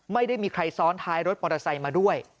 ไม่ได้มีใครซ้อนท้ายรถมอเตอร์ไซค์มาด้วย